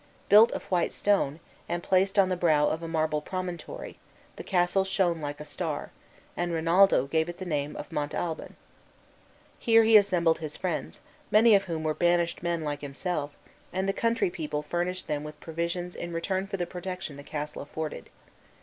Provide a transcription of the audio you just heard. Built of white stone, and placed on the brow of a marble promontory, the castle shone like a star, and Rinaldo gave it the name of Montalban. Here he assembled his friends, many of whom were banished men like himself, and the country people furnished them with provisions in return for the protection the castle afforded.